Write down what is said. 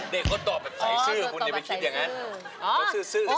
เด็กก็ตอบแบบใส่ซื่อคุณเด็กไปคิดอย่างนั้น